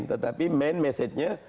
tetapi main mesejnya